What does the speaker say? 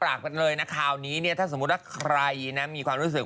รอนอยู่ตรงนี้แล้วถือสังคตารเอาไว้